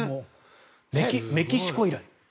メキシコ以来。